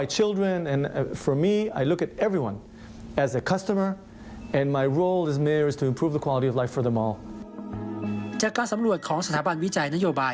จากการสำรวจของสถาบันวิจัยนโยบาย